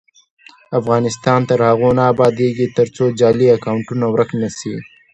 افغانستان تر هغو نه ابادیږي، ترڅو جعلي اکونټونه ورک نشي.